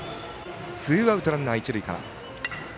ツーアウト、ランナー、一塁から。